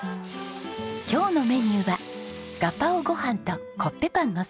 今日のメニューはガパオごはんとコッペパンのセットです。